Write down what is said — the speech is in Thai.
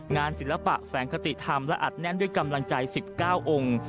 ศิลปะแฝงคติธรรมและอัดแน่นด้วยกำลังใจ๑๙องค์